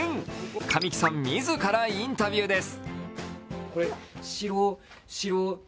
神木さん自らインタビューです。